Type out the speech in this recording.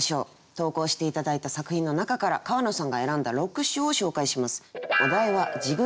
投稿して頂いた作品の中から川野さんが選んだ６首を紹介します。